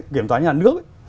kiểm toán nhà nước